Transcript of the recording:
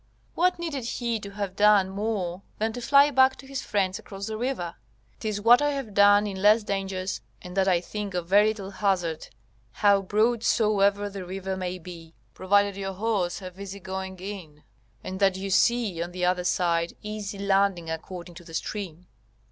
What needed he to have done more than to fly back to his friends across the river? 'Tis what I have done in less dangers, and that I think of very little hazard, how broad soever the river may be, provided your horse have easy going in, and that you see on the other side easy landing according to the stream.